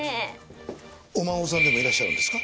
お孫さんでもいらっしゃるんですか？